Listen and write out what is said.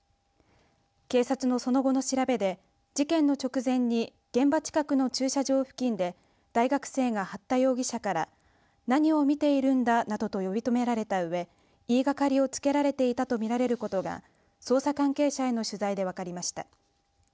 警察の、その後の調べで事件の直前に現場近くの駐車場付近で大学生が八田容疑者から何を見ているんだなどと呼び止められたうえ言いがかりをつけられていたと見られることが捜査関係者への取材で分かりました。